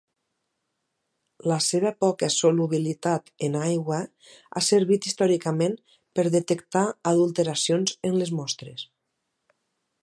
La seva poca solubilitat en aigua ha servit històricament per detectar adulteracions en les mostres.